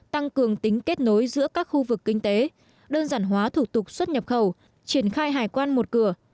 tăng cường tính kết nối giữa các khu vực kinh tế đơn giản hóa thủ tục xuất nhập khẩu triển khai hải quan một cửa